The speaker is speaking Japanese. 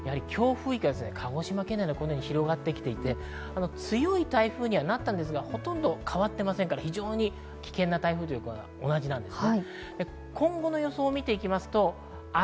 強風域が鹿児島県内まで広がってきていて、強い台風にはなったんですが、ほとんど変わってませんからより危険な台風というのも同じなんです。